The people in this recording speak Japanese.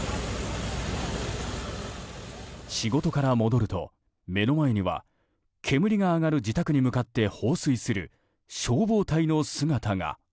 仕事から戻ると目の前には煙が上がる自宅に向かって放水する消防隊の姿が。